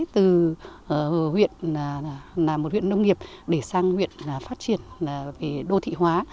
từ huyện là một huyện nông nghiệp để sang huyện phát triển về đô thị hóa